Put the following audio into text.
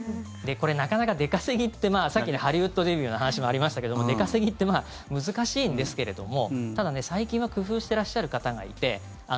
これ、なかなか出稼ぎってさっきハリウッドデビューの話もありましたけども出稼ぎって難しいんですけれどもただ、最近は工夫してらっしゃる方がいて。